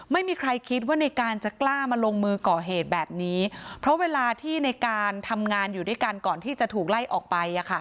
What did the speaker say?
ไม่มีใครคิดว่าในการจะกล้ามาลงมือก่อเหตุแบบนี้เพราะเวลาที่ในการทำงานอยู่ด้วยกันก่อนที่จะถูกไล่ออกไป